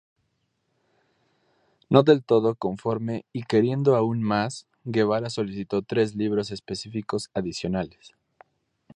No del todo conforme y queriendo aún más, Guevara solicitó tres libros específicos adicionales.